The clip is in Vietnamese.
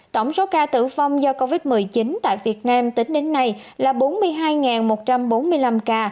tổng số ca tử vong do covid một mươi chín tại việt nam tính đến nay là bốn mươi hai một trăm bốn mươi năm ca